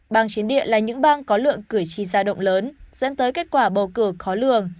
bang chiến địa là những bang có lượng cử tri ra động lớn dẫn tới kết quả bầu cử khó lường